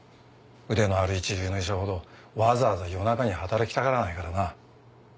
腕のある一流の医者ほどわざわざ夜中に働きたがらないからな。